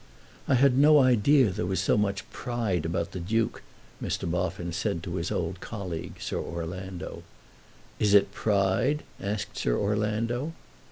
"I had no idea there was so much pride about the Duke," Mr. Boffin said to his old colleague, Sir Orlando. "Is it pride?" asked Sir Orlando.